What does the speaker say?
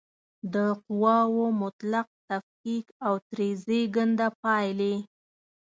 د قواوو مطلق تفکیک او ترې زېږنده پایلې